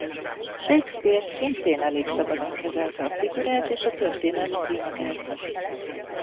Shakespeare szintén elég szabadon kezelte a figurát és a történelmi tényeket.